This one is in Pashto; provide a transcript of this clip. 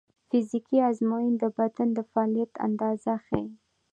فزیکي ازموینې د بدن د فعالیت اندازه ښيي.